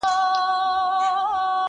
مثنوي کي دا کیسه مي ده لوستلې!!